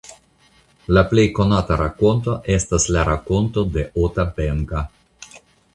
La plej konata rakonto estas la rakonto de Ota Benga.